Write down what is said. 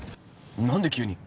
何で急に？